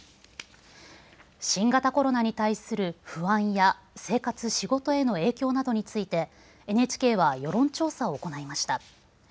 新型コロナに対する不安や生活、仕事への影響などについてＮＨＫは世論調査を行いました。